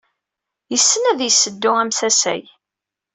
Yessen ad yesseddu amsasay.